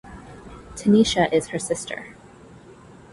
Tanisha is her sister.